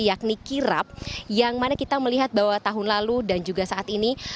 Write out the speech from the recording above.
yakni kirap yang mana kita melihat bahwa tahun lalu dan juga saat ini